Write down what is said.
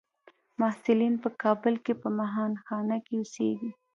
محصلین په کابل کې په مهانخانه کې اوسیږي.